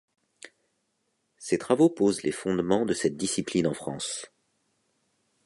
Ses travaux posent les fondements de cette discipline en France.